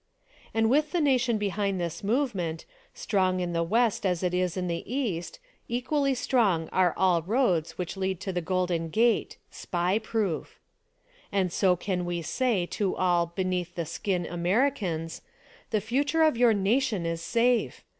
And with the nation behind this movement, strong in the West as it is in the East, equally strong are all roads which lead to the Golden Gate — ^SPY proof. SPY PROOF AMERICA 33 And so can we sa} to all "beneath the skin" x\mericans : The future of your nation is safe!